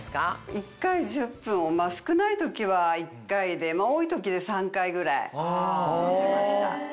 １回１０分を少ない時は１回で多い時で３回ぐらい乗ってました。